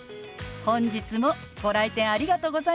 本日もご来店ありがとうございます！